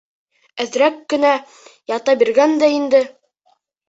Әҙерәк кенә ята биргәндә инде...